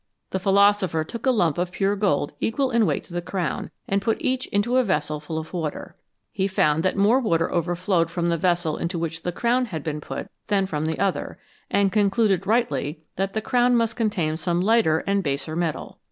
The philosopher took a lump of pure gold equal in weight to the crown, and put each into a vessel full of water. He found that more water overflowed from the vessel into which the crown had been put than from the other, and concluded rightly that the crown must contain some lighter and baser metal.